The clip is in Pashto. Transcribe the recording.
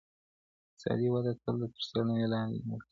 اقتصادي وده تل تر څېړني لاندي نیول کیږي.